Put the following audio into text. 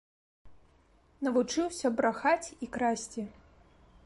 Навучыўся брахаць і красці.